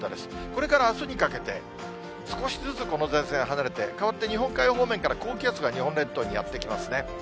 これからあすにかけて、少しずつこの前線、離れて、代わって日本海方面から高気圧が日本列島にやって来ますね。